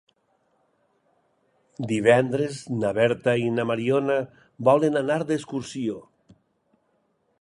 Divendres na Berta i na Mariona volen anar d'excursió.